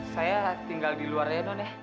saya tinggal di luar ya non ya